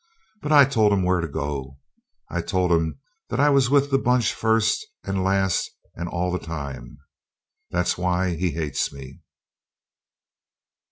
"But I told him where to go. I told him that I was with the bunch first and last and all the time. That's why he hates me!"